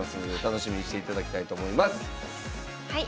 はい。